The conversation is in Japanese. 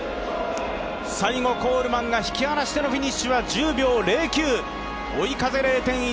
最後、コールマンが引き離してのフィニッシュは１０秒０９、追い風０．１ｍ。